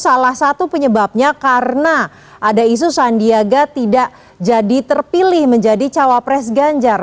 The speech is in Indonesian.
salah satu penyebabnya karena ada isu sandiaga tidak jadi terpilih menjadi cawapres ganjar